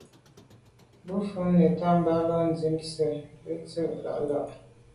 Mvə̌ nǔm nɔ́də́ bā lâ' ndíp zə̄ bū bə̂ tɔ̌ zə̄ lá' lá.